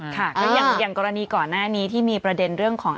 ค่ะก็อย่างกรณีก่อนหน้านี้ที่มีประเด็นเรื่องของ